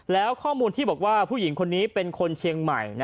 แล้วข้อมูลที่บอกว่าผู้หญิงคนนี้เป็นคนเชียงใหม่